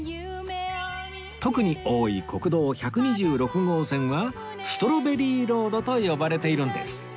特に多い国道１２６号線はストロベリーロードと呼ばれているんです